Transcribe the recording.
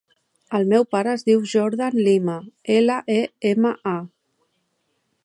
El meu pare es diu Jordan Lema: ela, e, ema, a.